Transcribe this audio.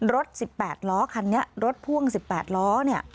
รถสิบแปดล้อคันนี้รถพ่วงสิบแปดล้อเนี่ย